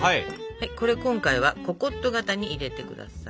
これ今回はココット型に入れて下さい。